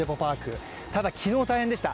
ただ、昨日大変でした。